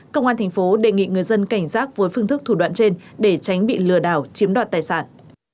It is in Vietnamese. công an thành phố đề nghị người dân cảnh giác với phương thức thủ đoạn trên để tránh bị lừa đảo chiếm đoạt tài sản